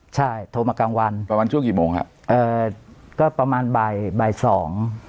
ใช่โทรมากลางวันประมาณช่วงกี่โมงฮะเอ่อก็ประมาณบ่ายบ่ายสอง